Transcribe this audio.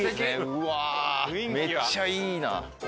うわーめっちゃいいな。